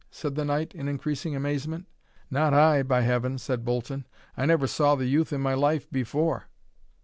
said the knight, in increasing amazement. "Not I, by Heaven!" said Bolton; "I never saw the youth in my life before."